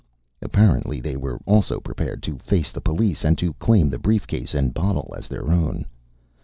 Apparently they were also prepared to face the police and to claim the briefcase and bottle as their own.